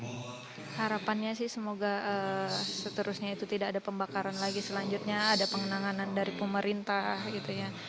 harapannya sih semoga seterusnya itu tidak ada pembakaran lagi selanjutnya ada pengenangan dari pemerintah gitu ya